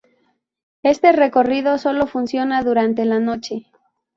Este recorrido solo funciona durante la noche.